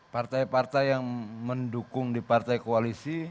partai partai yang mendukung di partai koalisi